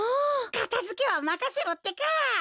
かたづけはまかせろってか！